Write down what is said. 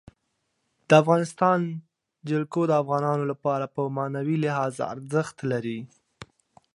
د افغانستان جلکو د افغانانو لپاره په معنوي لحاظ ارزښت لري.